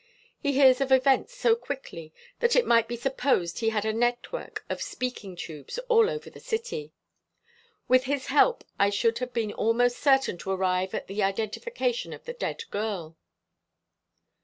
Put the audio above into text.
He hears of events so quickly that it might be supposed he had a network of speaking tubes all over the city. With his help I should have been almost certain to arrive at the identification of the dead girl."